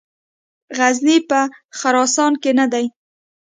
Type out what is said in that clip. غزني په خراسان کې نه دی.